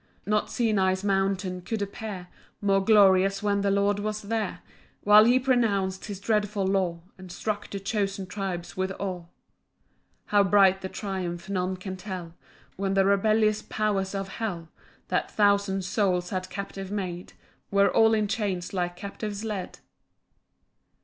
2 Not Sinai's mountain could appear More glorious when the Lord was there; While he pronounc'd his dreadful law, And struck the chosen tribes with awe. 3 How bright the triumph none can tell, When the rebellious powers of hell That thousand souls had captive made, Were all in chains like captives led.